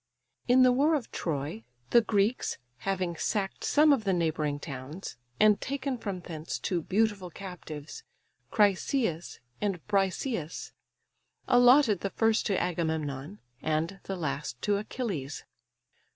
In the war of Troy, the Greeks having sacked some of the neighbouring towns, and taken from thence two beautiful captives, Chryseïs and Briseïs, allotted the first to Agamemnon, and the last to Achilles.